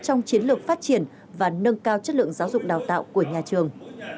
trong chiến lược phát triển và nâng cao chất lượng giáo dục đào tạo của nhà trường